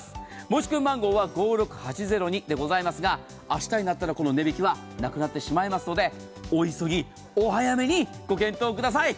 申し込み番号は５６８０２ですが、明日になったら、この値引きはなくなってしまいますので、お急ぎ、お早めにご検討ください。